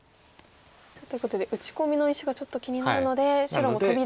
ということで打ち込みの石がちょっと気になるので白もトビで。